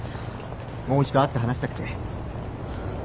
もう一度会って話したくて。